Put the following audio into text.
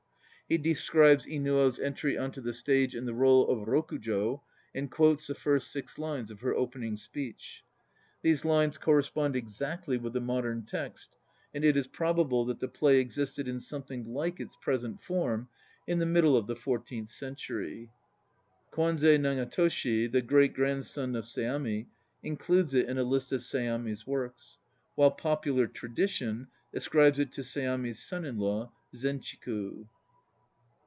He de scribes Inuo's entry on to the stage in the role of Rukujo and quotes the first six lines of her opening speech. These lines correspond exactly with the modern text, and it is probable that the play existed in some thing like its present form in the middle of the fourteenth century. Kwanze Nagatoshi, the great grandson of Seami, includes it in a list of Seami's works; while popular tradition ascribes it to Seami's son in law Zenchiku.